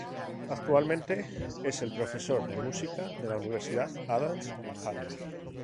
Actualmente, es el profesor de música de la Universidad Adams en Harvard.